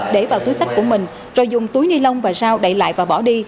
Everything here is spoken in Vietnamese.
để vào túi sách của mình rồi dùng túi ni lông và rau đậy lại và bỏ đi